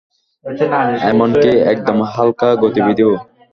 এমনকি একদম হালকা গতিবিধিও।